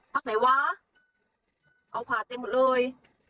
พักไหนวะเอาผ่าเต็มหมดเลย